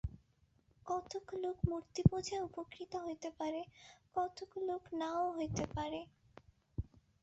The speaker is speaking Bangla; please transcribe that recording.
কতক লোক মূর্তিপূজায় উপকৃত হইতে পারে, কতক লোক নাও হইতে পারে।